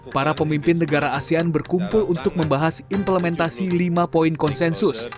para pemimpin negara asean berkumpul untuk membahas implementasi lima poin konsensus